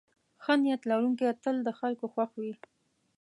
ښه نیت لرونکی تل د خلکو خوښ وي.